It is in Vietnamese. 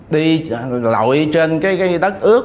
đi lội trên cái đất ướt